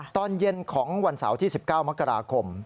ตอนเย็นของวันเสาร์ที่๑๙มกราคม